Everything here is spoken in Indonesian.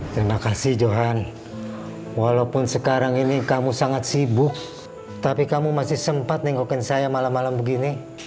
terima kasih johan walaupun sekarang ini kamu sangat sibuk tapi kamu masih sempat nengokin saya malam malam begini